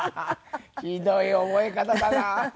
ひどい覚え方だな。